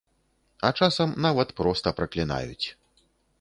А часам нават проста праклінаюць.